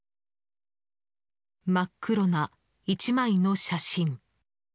真っ黒な１枚の写真。